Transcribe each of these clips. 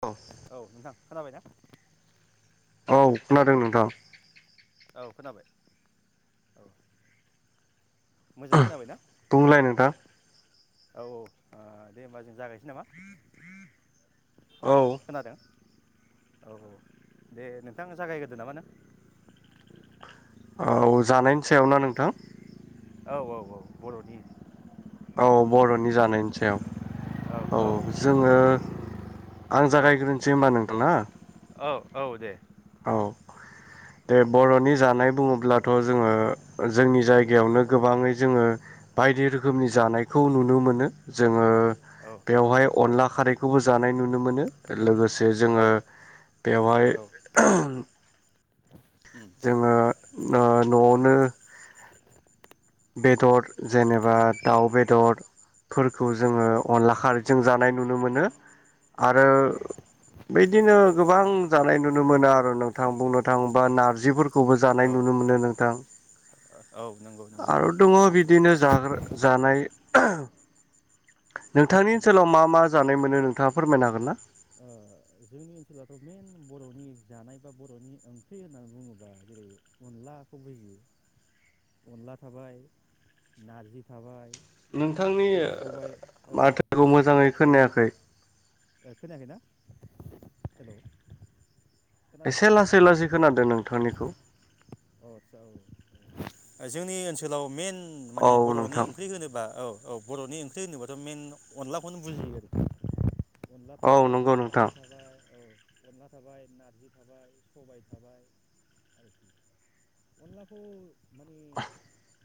औ औ नोंथां खोनाबाय ना? औ खोनादों नोंथां औ खोनाबाय औ मोजाङै खोनाबायना बुंंलाय नोंथां औ औ ओ दे होमबा जों जागायनोसै नामा? औ खोनादों औ औ दे नोंथां जागायग्रोदो नामा नों? औ जानायनि सायाव ना नोंथां? औ औ औ बर'नि औ बर'नि जानायनि सायाव औ औ औ जोङो आं औ जागायग्रोनोसै होमबा नोंथां ना औ औ दे औ दे बर'नि जानाय बुङोब्लाथ' जोङो जोंनि जायगायावनो गोबाङै जोङो बायदि रोखोमनि औ जानायखौ नुनो मोनो जोङो औ बेवहाय अनला खारैखौबो जानाय नुनो मोनो लोगोसे औ जोङो बेवहाय औ ओ। उम जोङो ओ न'आवनो बेदर जेनेबा दाउ बेदरफोरखौ जोङो अनला खारैजों जानाय नुनो मोनो। आरो औ बे बिदिनो गोबां जानाय नुनो मोनो आरो नोंथां बुंनो थाङोबा नारजिफोर खौबो जानाय औ नुनो मोनो नोंथां। औ। नंगौ नंगौ आरो दङ बि दिनो जाग्रा जानाय नोंथांनि उम ओनसोलाव मा मा जानाय मोनो नोंथाङा फोरमायनो हागोन ना? ओ जोंनि ओनसोलाथ' मेइन बर'नि जानाय बा बर'नि ओंख्रि होननानै बुङोबा जेरै अनलाखौ बुजियो। अनला थाबाय नारजि थाबाय नोंथांनि स-सबाय औ माथोखौ मोजाङै सबाय थाबाय। खोनायाखै खोनायाखैना? हेलौ खोनादों एसे लासै लासै खोनादों नोंथांनि खौ। अ आचसा औ जोंनि ओनसोलाव मेन औ माने बर'नि नोंथां ओंख्रि होनोबा औ। औ बर'नि ओंख्रि होनोबाथ' मइेन अनलाखौनो बुजियो आरोखि। अनला औ थाबाय नंगौ नोंथां नारजि थाबाय औ। अनला थाबाय नारजि थाबाय सबाय थाबाय आरोखि अनलाखौ मानि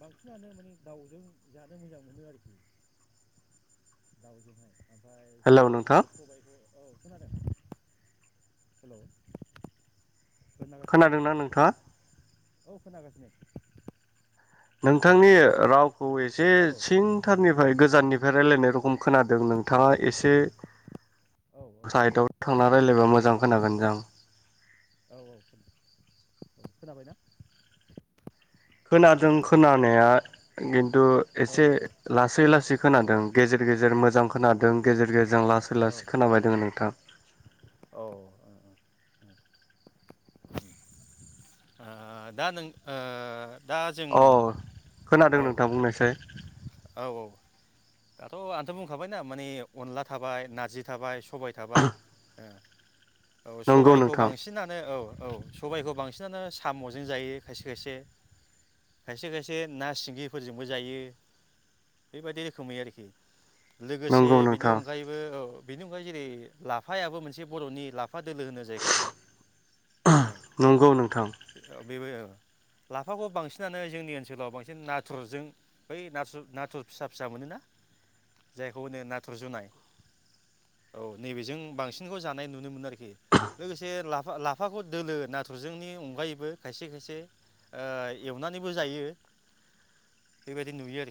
बांसिनानो माने दाउजों जानो मोजां मोनो आरोखि दाउजोंहाय। ओमफाय हेलौ सबाय जाबाय नोंथां सबायखौ औ खोनादों हेल'। खोनादोंना नोंथाङा? औ खोनाखासिनो। नोंथांनि रावखौ एसे औ सिंथारनि फ्राय गोजाननिफ्राय रायजलायनाय रखम खोनादों नोंथाङा एसे औ साइदआव थांना रायजलायबा मोजां खोनागोन दां। औ औ खोन औ खोनाबायना? खोनादों हेल' औ खोनानाया गिथ तु औ एसे लासै औ लासै खोनादों औ गेजेर गेजेर मोजां खोनादों गेजेर गेजे जों लासै लासै खोनाबाय दोङो नोंथां औ ओ दा नों ओ दा जों अ औ खोनादों नोंथां बुंनायसाय औ औ दाथ' आंथ' बुंखाबायना मानि अनला थाबाय नारजि थाबाय स सबाय थाबाय ओ औ नंगौ सबायखौ नोंथां बांसिनानो औ औ सबायाइखौ बांसिनानो साम'जों जायो खायसे खायसे खायसे खायसे ना सिंगिफोरजोंबो जायो बेबायदि रोखोमै आरोखि। लोगोसे नंगौ बेनि नोंथां अनगायैबो ओ बेनि अनगायै जेरै लाफायाबो मोनसे बर'नि लाफ फा दोलो होनो जायखौहाय नंगौ नोंथां ओ बेबो लाफाखौ बांसिनानो जोंनि ओनसोलाव बांसिन नाथुरजों बै नाथुर नाथुर फिसा फिसा मोनोना जायखौ होनो नाथुर जुनाय औ नैबेजों बांसिनखौ जानाय नुनो मोनो आरोखि। लोगोसे लाफ फा लाफाखौ दोलो नाथुरजोंनि अनगायैबो खायसे खायसे एवनानैबो जायो बेबायदि नुयो आरो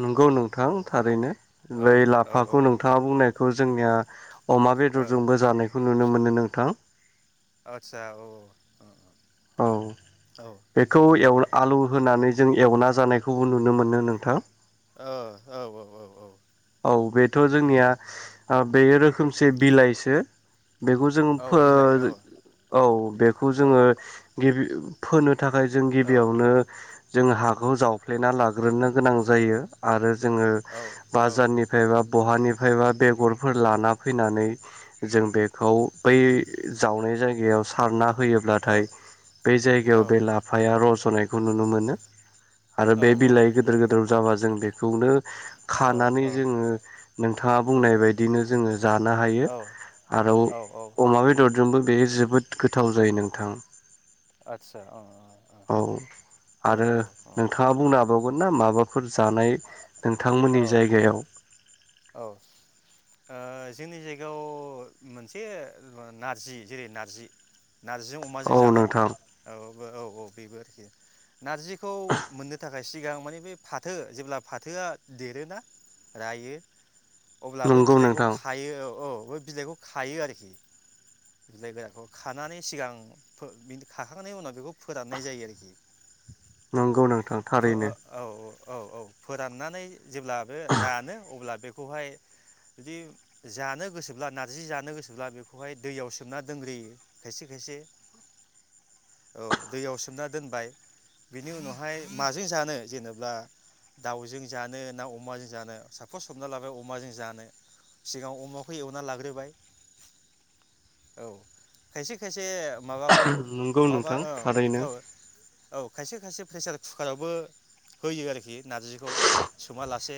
नंगौ नोंथां थारैनो औ बै औ औ लाफाखौ नोंथाङा बुंनाय खौ जोंनिया अमा ओ बेदरजोंबो जानायखौ नुनो मोनो नोंथां आतसा औ औ औ औ बेखौ औ एव आलु होनानै जों एवना जानायखौबो नुनो मोनो नोंथां। औ औ औ औ औ औ बेथ' जोंनिया बे रोखोमसे बिलाइसो। बेखौ जोङ औ फो बिलाइ औ बेखौ औ जोङो गिबि फोनो थाखाय जों औ गिबियावनो जोङो हाखौ जावफ्लेना लाग्रोनो गोनां जायो आरो जोङो औ औ बाजारनिफ्राय बा बहानिफ्रायबा बेगरफोर लाना फैनानै जों बेखौ बै जावनाय जायगायाव सारना होयोब्लाथाय बे जायगायाव बे लाफाया रज' नायखौ नुनो मोनो आरो औ बे बिलाइ गोदोर गोदोर जाबा जों बेखौनो खानानै जोङो नोंथाङा उम बुंनाय बायदिनो जोङो जानो हायो औ आरो औ औ अमा बेदर जोंबो जोबोद गोथाव जायो नोंथां आतसा अ औ अ आरो औ औ नोंथाङा बुंना हाबावगोन ना माबा फोर जानाय औ नोंथांमोननि जायगायाव औ जोंनि जायगायाव मोनसे नारजि जेरै नारजि नारजिजों अमाजों औ जानाय नोंथां औ औ बेबो आरोखि नारजिखौ मोननो थाखाय सिगां मानि बे फाथो जेब्ला फाथोआ देरोना रायो अब्लाबो नंगौ बिलाइखौ नोंथां खायो औ औ बे बिलाइखौ खायो आरोखि बिलाइ गोराखौ खानानै सिगां खाखांनायनि उनाव बेखौ फोराननाय जायो आरोखि नंगौ नोंथां फो थारैनो ओ औ औ औ फोराननानै जेब्ला बे रानो अब्ला बेखौहाय जुदि जानो गोसोब्ला नारजि जानो गोसोब्ला बेखौहाय दैयाव सोमना दोनग्रोयो खायसे खायसे औ दैयाव सोमना दोनबाय बिनि उनावहाय माजों जानो जेनेबा दाउजों जानो ना अमाजों जानो साफस हमना लाबाय अमाजों जानो सिगाव अमाखौ एवना लाग्रोबाय औ खायसे खायसे माबाखौ नंगौ माबा नोंथां ओ थारैनो औ औ खायसे खायसे प्रेसार कुकारावबो होयो आरोखि नारजिखौ सोमा लासे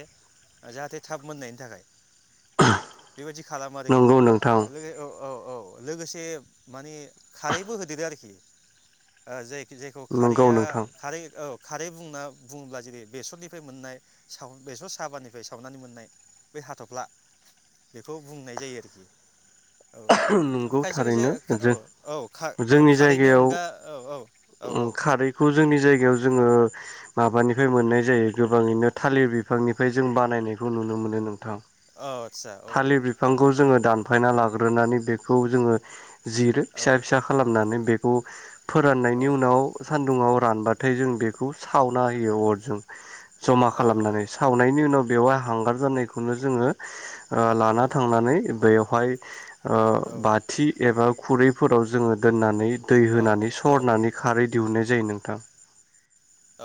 जाहाथे थाब मोननायनि थाखाय बेबायदि खालामो आरोखि नंगौ नोंथां [unintelligible] औ औ लोगोसे माने खारैबो होदेरो आरोखि जाय जेखौ नंगौ खारैया नोंथां खारै औ खारै बुंना बुङोब्ला जेरै बेसरनिफ्राय मोननाय स बेसर साबानिफ्राय सावनानै मोननाय बै हाथफ्ला बेखौ बुंनाय जायो आरोखि औ आफ्राय नंगौ खायसे खायसे थारैनो औ जों औ औ जोंनि खारैनि जायगायाव अनगा औ औ औ औ बेयाव जोङो माबानिफ्राय मोननाय जायो गोबाङैनो थालिर बिफांनिफ्राय जों बानायनायखौ नुनो मोनो नोंथां आदसा औ थालिर औ बिफांखौ जोङो दानफायना लागोन हग्रोनानै बेखौ जोङो जिरो औ फिसा फिसा खालामनानै बे अ फोराननायनि उनाव सान्दुंङाव रानबाथाय जों बेखौ सावना होयो अरजों जमा औ खालामनानै सावनायनि उनाव बेवहाय हांगार जानायखौनो जोङो लाना थांनानै बेयाव हाय बाथि एबा खुरैफोराव जोङो दोननानै दै होनानै सरनानै खारै दिहुननाय जायो नोंथां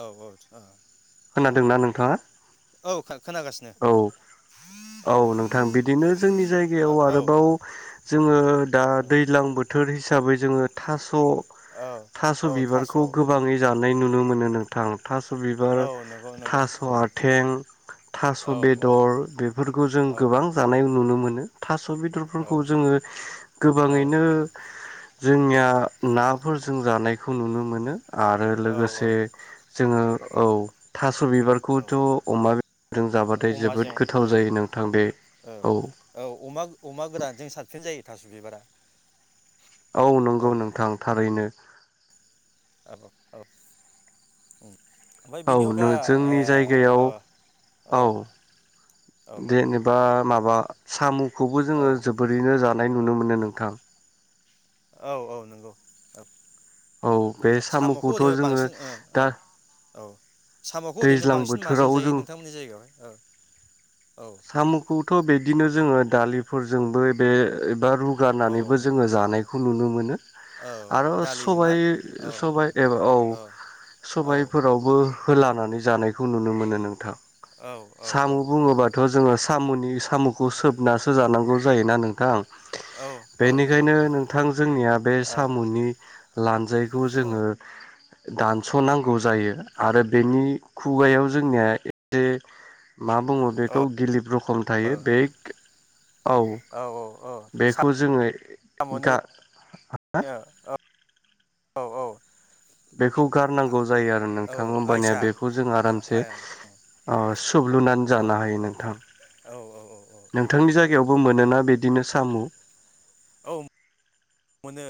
औ औ औ खोनादोंना नोंथाङा औ खोनागासिनो औ औ नोंथां बिदिनो जोंनि जायगायाव औ आरोबाव जोङो दा दैज्लां बोथोर हिसाबै हिसाबै जोङो थास औ थास' औ बिबारखौ औ गोबाङै जाब नाय नुनो मोनो नोंथां थास' बिबार नंगौ नंगौ थास' औ आथें थास' औ औ बेदर बेफोरखौ जों गोबां जानाय नुनो मोनो थास थ' बेदरफोरखौ जोङो औ गोबाङैनो जोंनिया नाफोरजों जानायखौ नुनो मोनो आरो लोगोसे औ जोङो औ औ सबिबारखौथ' अमा बेरजों जाबाथाय अमाजों जोबोद औ गोथाव जायो नोंथां बे औ अमा अमा औ गोरानजों साबसिन जायो थास' बिबारा औ नंगौ नोंथां थारैनो औ औ औ ओमफ्राय बेनि अनगा औ आ जोंनि जायगायाव औ औ औ जेनेबा माबा साम' खौबो जोङो औ जोबोरैनो ज नुनो मोनो नोंथां औ औ नंगौ औ औ बे साम'खौ साम'खौथ' ओरैनो जोङो बांसिन ओ ओ दा ओ साम'खौ ओरैनो दैज्लां बांसिन माजों बोथोराव जायो जों नोंथांमोननि जायगायावहाय औ सामखौथ' बे बिदिनो जोङो दालिफोरजोंबो बे बा औ रुगारनानैबो जोङो जानाय खौ नुनो मोनो औ आरो दालिजों ना सबाय औ सबाय एबा औ औ सबायफोरावबो होलानानै जानायखौ नुनो मोनो नोंथां। औ औ औ औ। आङो साम'नि साम'खौ सोबनासो जानांगौ जायोना नोंथां? औ औ नंगौ बेनिखायनो नोंथां जोंनिया बे ओ औ साम'नि लानजायखौ जोङो दानसनांगौ जायो आरो बेनि खुगायाव जोंनिया [unintelligible] मा बुङो बे औ खौ [unintelligible] खम थायो बे औ औ औ बेखौ जोङो साम'नि गार औ [unintelligible] औ औ। बेखौ गारनांगौ जायो आरो औ नोंथां होमबानिया आयसा बेखौ जों औ आरामसे औ ओ सोब्लुनानै जानो हायो औ नोंथां? औ नोंथांनि औ औ जायगायावबो मोनोना बिदिनो सामु औ मोनो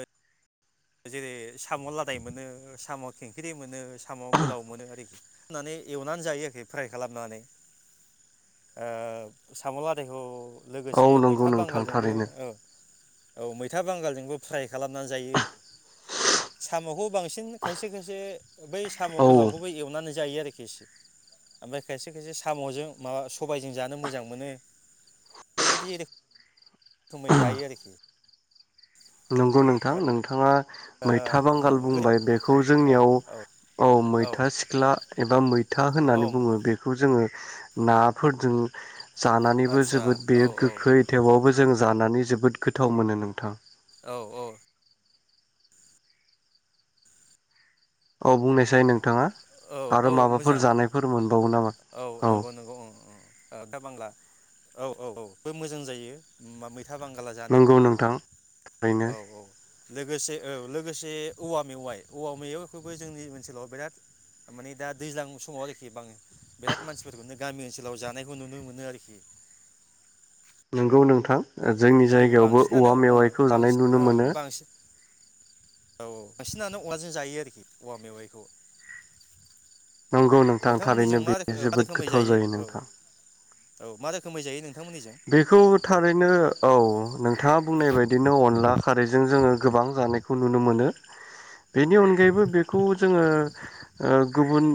जेरै साम' लादाय मोनो साम' खेंख्रि मोनो सामाव गोलाव मोनो आरोखि। होननानै एवनानै जायो आरोखि फ्राय खालामनानै ओ साम' लादायखौ औ लोगोसे नंगौ मैथा नोंथां बांगालजोंबो थारैनो औ औ मैथा बांगालजोंबो फ्राइ खालामनानै जायो। साम'खौ बांसिन खायसे खायसे बै साम' औ गोलावखौबो एवनानै जा जायो आरोखि इसे ओमफ्राय खायसे खायसे साम'जों माबा सबायजों जानो मोजां मोनो बेबायदि [unintelligible] रोखोमै जायो आरोखि। नंगौ नोंथां, नोंथाङा ओ मैथा बांगाल बुंबाय बेखौ जोंनियाव औ औ मैथा सिख्ला एबा मै था औ होननानै बुङो बेखौ जोङो नाफोरजों जानानैबो आदसा जोबोद औ बेयो औ गोखै थेवावबो जों जानानै जोबोद गोथाव मोनो नोंथां। औ औ। औ बुंनायसै नोंथाङा। औ आरो औ माबाफोर मोजां जानायफोर मोनबावो नामा? औ नंगौ नंगौ दा बांला औ औ औ बे मोजां जायो मैथ' मैथा बांगाला जानो नंगौ नोंथां ओरैनो औ औ लोगोसे औ लोगोसे औवा मेवाइ औवा मेवाइखौबो जोंनि ओनसोलाव बिराद मानि दा दैज्लां समाव आरोखि बां बिराद मानसिफोरखौनो गामि ओनसोलाव जानायखौ नुनो मोनो आरोखि। नंगौ नोंथां। जोंनि लोगो जायगायावबो बांसिनानो औवा ओ मेवाइखौ जानाय बांसिन नुनो ओ मोनो। बांसिन औ औ बांसिनानो अनलाजों जायो आरोखि औवा मेवाइखौ। औ नंगौ नोंथां थारैनो नोंथांमोननिजों मा बे रोखोम मा जोबोद रोखोमै गोथाव जायो औ नोंथां। औ मा रोखोमै जायो नों बेखौ थारैनो औ। नोंथाङा बुंनाय बादिनो अनला खारैजों औ जोङो गोबां जानायखौ नुनो मोनो बेनि औ अनगायैबो बेखौ जोङो औ गुबुन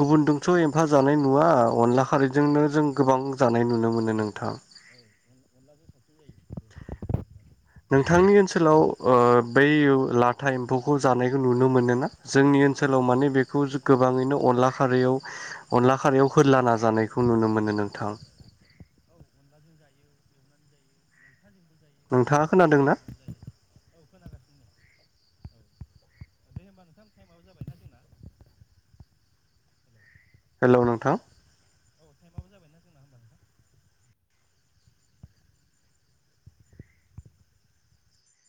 गुबुनजोंथ' एम्फा जानाय नुवा अनला औ खारैजोंनो जों गोबां औ जानाय नुनो मोनो अनलाजों नोंथां। [unintelligible] नोंथांनि ओनसोलाव बै लाथा एम्फौखौ जानायखौ नुनो मोन ना जोंनि औ ओनसोल ओनसोलाव औ माने जायो औ बेखौ जायो गोबाङैनो अनला खारैयाव अनला औ खारायाव होलाना जानायखौ नुनो मोनो नोंथां। औ अनलाजों जायो एवनानै जायो मैथाजोंबो जायो नोंथाङा मैथा खोनादों ना? बांगालजोंबो जायो औ खोनागासिनो नै औ दे होनबा नोंथां टाइमाबो जाबाय ना जोंना हेल'। हेलौ नोंथां। औ थटाइमाबबो जाबायना जोंना होमबा नोंथां।